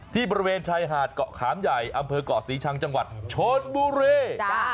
บริเวณชายหาดเกาะขามใหญ่อำเภอกเกาะศรีชังจังหวัดชนบุรี